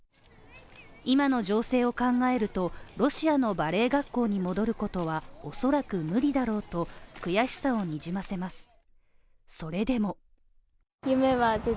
今の情勢を考えるとロシアのバレエ学校に戻ることは恐らく無理だろうと悔しさをにじませます。